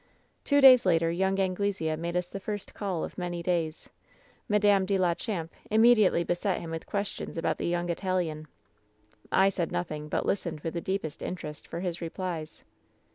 "Two days later young Anglesea made us the first call of many days. "Madame de la Champe immediately beset him with questions about the young Italian. "I said nothing, but listened with the deepest interest for his replies.